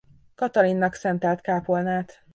Katalinnak szentelt kápolnát.